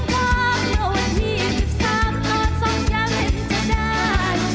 เมื่อวันที่สิบสามตอนสองยังเห็นจะได้